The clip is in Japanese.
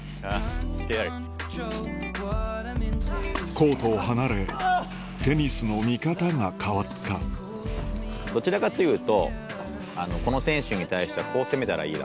コートを離れテニスの見方が変わったどちらかというと。